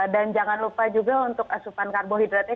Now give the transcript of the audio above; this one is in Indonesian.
dan jangan lupa juga untuk asupan karbohidratnya